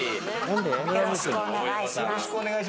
よろしくお願いします。